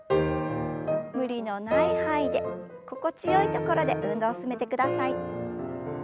無理のない範囲で心地よいところで運動を進めてください。